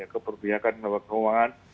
keperpihakan lembaga keuangan